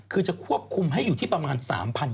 ควบคุมให้อยู่ที่ประมาณ๓๐๐๐คัน